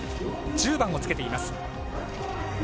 １０番をつけています。